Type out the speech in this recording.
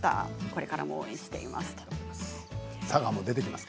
これからも応援しています。